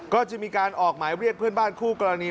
ก็จะมีการออกหมายเรียกเพื่อนบ้านคู่กรณี